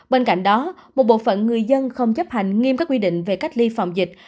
bên cạnh đó một bộ phận người dân không chấp hành nghiêm các quy định về cách ly phòng dịch